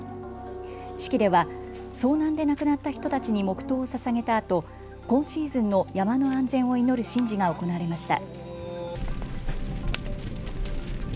式では遭難で亡くなった人たちに黙とうをささげたあと今シーズンの山の安全を祈る神事が行われました。